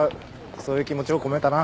そういう気持ちを込めたな。